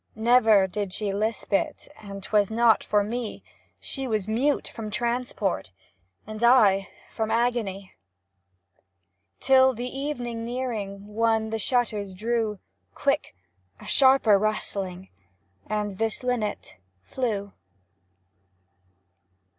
Never did she lisp it, And 'twas not for me ; She was mute from transport, I, from agony! 4 177 1 Till the evening, nearing, One the shutters drew — Quick! a sharper rustling! And this linnet flew